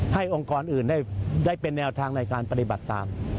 องค์กรอื่นได้เป็นแนวทางในการปฏิบัติตาม